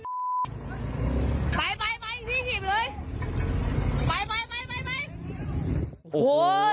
โอ้โห